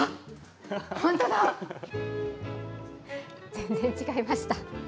全然違いました。